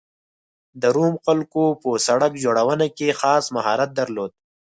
د روم خلکو په سړک جوړونه کې خاص مهارت درلود